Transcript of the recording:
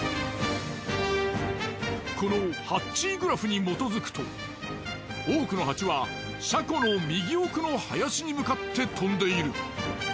このハッチーグラフに基づくと多くのハチは車庫の右奥の林に向かって飛んでいる。